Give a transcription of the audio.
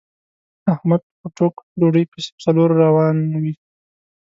احمد په ټوک ډوډۍ پسې په څلور روان وي.